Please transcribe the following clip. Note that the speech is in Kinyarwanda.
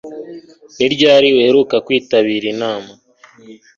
Ni ryari uheruka kwitabira inama